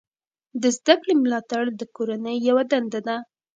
د زده کړې ملاتړ د کورنۍ یوه دنده ده.